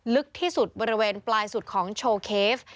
ลึกที่สุดบริเวณปลายสุดของโชว์เคฟ